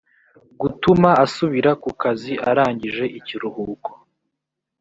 gutuma asubira ku kazi arangije ikiruhuko